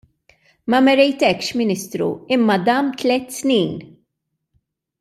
Ma merejtekx Ministru, imma dam tliet snin.